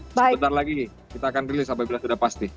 sebentar lagi kita akan rilis apabila sudah pasti